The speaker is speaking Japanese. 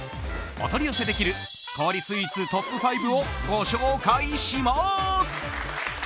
お取り寄せできる氷スイーツトップ５をご紹介します！